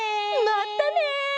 まったね！